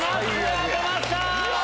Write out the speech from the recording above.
当てました！